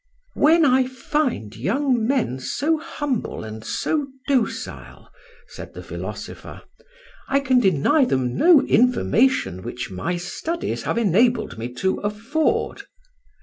"When I find young men so humble and so docile," said the philosopher, "I can deny them no information which my studies have enabled me to afford.